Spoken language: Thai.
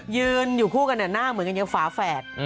ยืนอยู่คู่กันหน้าเหมือนกันยังฝาแฝด